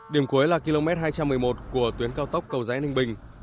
điểm cuối là km hai trăm một mươi một của tuyến cao tốc cầu rẽ ninh bình